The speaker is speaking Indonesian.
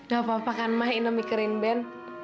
gak apa apa kan mah inna mikirin ben